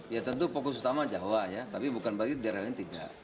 ya tentu fokus utama jawa ya tapi bukan berarti daerah lain tidak